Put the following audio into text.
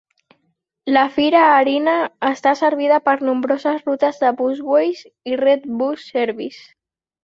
La Fira Erina està servida per nombroses rutes de Busways i Red Bus Services.